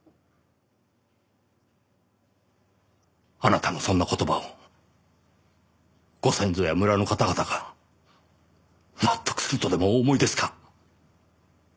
あなたのそんな言葉をご先祖や村の方々が納得するとでもお思いですか？